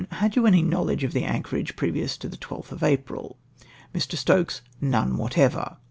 —" Had you any knoAvledge of that anchorage previous to the 12th of April?" Mr. Stokes. — "None whatever!"